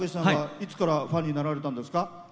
いつからファンになられたんですか？